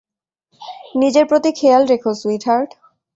নিজের প্রতি খেয়াল রেখো, সুইটহার্ট।